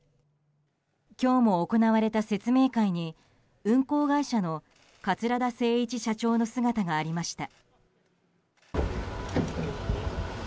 今日も行われた説明会に運航会社の桂田精一社長の姿がありました。